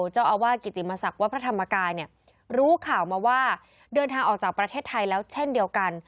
เจ้าอาวาสกิติมศักดิ์วัดพระธรรมกายเนี่ยรู้ข่าวมาว่าเดินทางออกจากประเทศไทยแล้วเช่นเดียวกัน